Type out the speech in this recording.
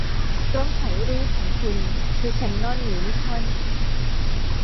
กล้องถ่ายรูปของคุณคือแคนนอนหรือนิคอน